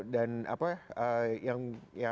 dan apa yang